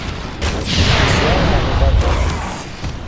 بسیار حقیقت دارد.